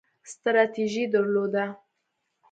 ستراتیژي درلوده